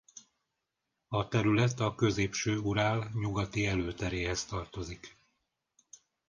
A terület a Középső-Urál nyugati előteréhez tartozik.